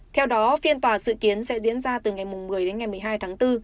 theo đó phiên tòa dự kiến sẽ diễn ra từ ngày một mươi đến ngày một mươi hai tháng bốn